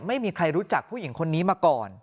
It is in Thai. ไม่มีใครรู้จักผู้หญิงคนนี้มาก่อน